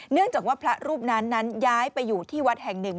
เนื่องจากว่าพระรูปนั้นนั้นย้ายไปอยู่ที่วัดแห่งหนึ่ง